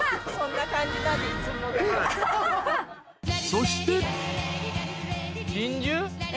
［そして］